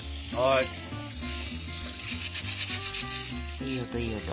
いい音いい音。